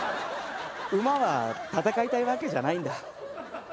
馬は戦いたいわけじゃないんだ。